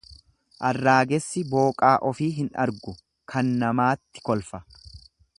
Arraagessi booqaa ofii hin argu kan namaatti kolfa.